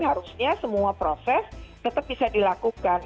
harusnya semua proses tetap bisa dilakukan